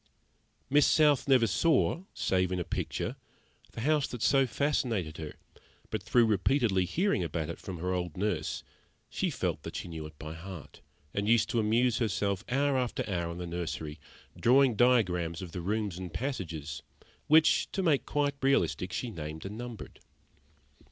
Miss South never saw save in a picture the house that so fascinated her; but through repeatedly hearing about it from her old nurse, she felt that she knew it by heart, and used to amuse herself hour after hour in the nursery, drawing diagrams of the rooms and passages, which, to make quite realistic, she named and numbered.